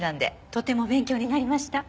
とても勉強になりました。